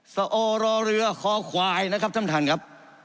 โอรอเรือคอควายนะครับท่านท่านครับ